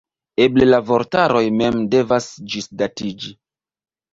Eble la vortaroj mem devas ĝisdatiĝi.